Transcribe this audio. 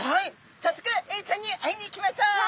さっそくエイちゃんに会いに行きましょう！